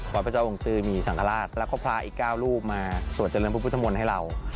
วัดพระเจ้าองค์ตือมีสังฆราชและพระอีก๙ลูกมาสวจเรือนพุทธมนต์ให้เรา